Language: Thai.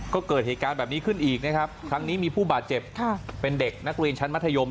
ก็เกิดเหตุการณ์แบบนี้ขึ้นอีกนะครับครั้งนี้มีผู้บาดเจ็บเป็นเด็กนักเรียนชั้นมัธยม